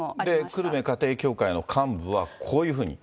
久留米家庭教会の幹部はこういうふうに。